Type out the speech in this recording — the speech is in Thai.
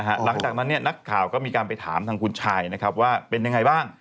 หลังจากนั้นนักข่าวก็มีการไปถามทางคุณชายนะครับว่าเป็นยังไงบ้าง